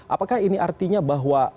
apakah ini artinya bahwa